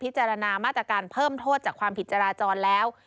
จารณามาตรการเพิ่มโทษจากความผิดจราจรแล้ว